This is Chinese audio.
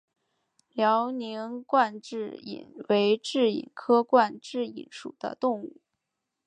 辽宁冠蛭蚓为蛭蚓科冠蛭蚓属的动物。